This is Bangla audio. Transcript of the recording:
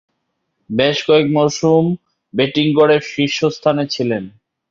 বেশ কয়েক মৌসুম ব্যাটিং গড়ে শীর্ষস্থানে ছিলেন।